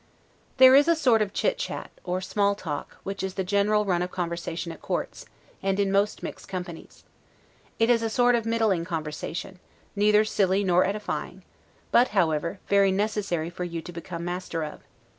There is a sort of chit chat, or SMALL TALK, which is the general run of conversation at courts, and in most mixed companies. It is a sort of middling conversation, neither silly nor edifying; but, however, very necessary for you to become master of.